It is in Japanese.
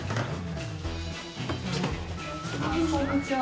こんにちは。